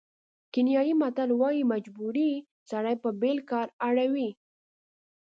کینیايي متل وایي مجبوري سړی په بېل کار اړ کوي.